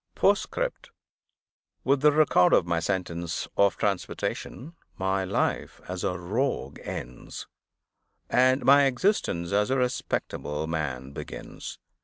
POSTSCRIPT. WITH the record of my sentence of transportation, my life as a Rogue ends, and my existence as a respectable man begins.